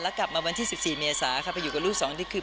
แล้วกลับมาวันที่๑๔เมษาค่ะไปอยู่กับลูกสองนี่คือ